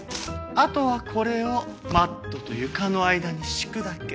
あとはこれをマットと床の間に敷くだけ。